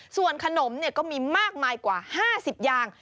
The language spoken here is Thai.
ส่วนขนมก็มีมากมายกว่า๕๐ยาง